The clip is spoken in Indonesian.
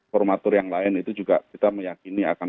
formatur yang lain itu juga kita meyakini akan